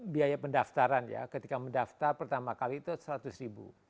biaya pendaftaran ya ketika mendaftar pertama kali itu seratus ribu